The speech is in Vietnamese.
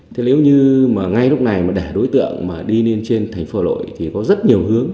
thế nếu như mà ngay lúc này mà đẻ đối tượng mà đi lên trên thành phố hà lội thì có rất nhiều hướng